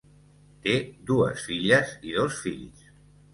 Té dues filles i dos fills.